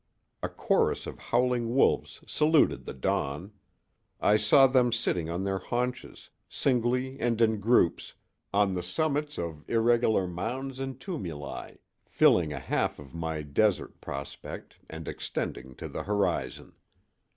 A chorus of howling wolves saluted the dawn. I saw them sitting on their haunches, singly and in groups, on the summits of irregular mounds and tumuli filling a half of my desert prospect and extending to the horizon.